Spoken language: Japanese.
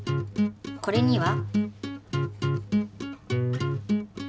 これには。